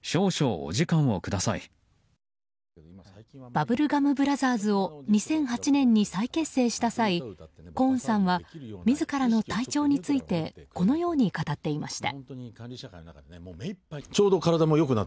バブルガム・ブラザーズを２００８年に再結成した際コーンさんは自らの体調についてこのように語っていました。